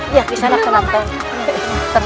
iya kisah anak tenang tenang